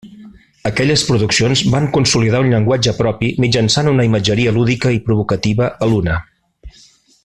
Aquelles produccions van consolidar un llenguatge propi mitjançant una imatgeria lúdica i provocativa a l'una.